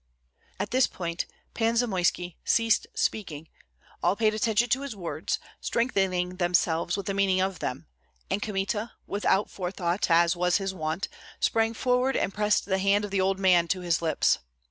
At this point Pan Zamoyski ceased speaking; all paid attention to his words, strengthening themselves with the meaning of them; and Kmita, without forethought, as was his wont, sprang forward and pressed the hand of the old man to his lips.